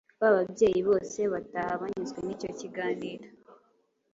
Ba babyeyi bose bataha banyuzwe n’icyo kiganiro